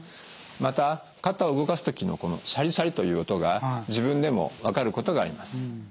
また肩を動かす時のこのシャリシャリという音が自分でも分かることがあります。